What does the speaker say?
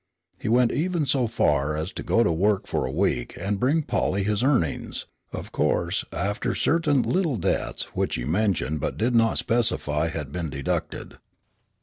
He even went so far as to go to work for a week and bring Polly his earnings, of course, after certain "little debts" which he mentioned but did not specify, had been deducted.